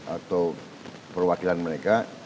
atau perwakilan mereka